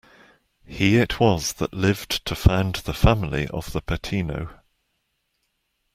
He it was that lived to found the family of the Patino.